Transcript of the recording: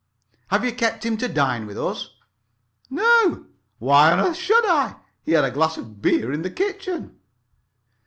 "Have you kept him to dine with us?" "No. Why on earth should I? He had a glass of beer in the kitchen."